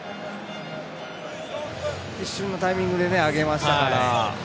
一瞬のタイミングで上げましたから。